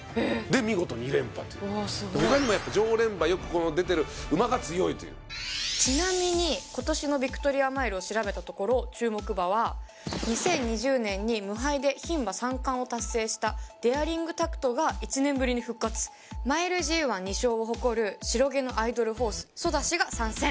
で見事２連覇とうわすごい他にも常連馬よくこの出てる馬が強いというちなみに今年のヴィクトリアマイルを調べたところ注目馬は２０２０年に無敗で牝馬三冠を達成したデアリングタクトが１年ぶりに復活マイルＧⅠ２勝を誇る白毛のアイドルホースソダシが参戦